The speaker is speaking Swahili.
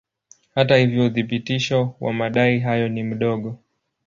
Hata hivyo uthibitisho wa madai hayo ni mdogo.